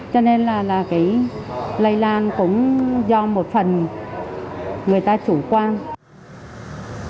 cho nên là cái lây lan cũng do một phần người ta chủ quan